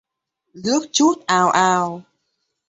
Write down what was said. Nước trút ào ào